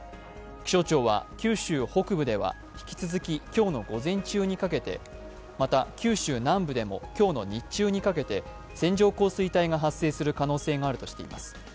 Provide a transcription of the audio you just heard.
気象庁は、九州北部では引き続き今日の午前中にかけて、また、九州南部でも今日の日中にかけて線状降水帯が発生する可能性があるとしています。